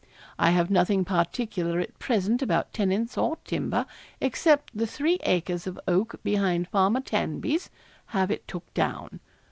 'I have nothing particular at present about tenants or timber, except the three acres of oak behind Farmer Tanby's have it took down.